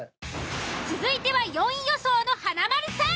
続いては４位予想の華丸さん。